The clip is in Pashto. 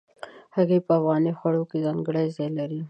هګۍ په افغاني خوړو کې ځانګړی ځای لري.